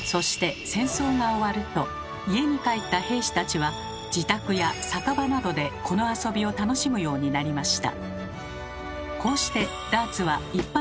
家に帰った兵士たちは自宅や酒場などでこの遊びを楽しむようになりました。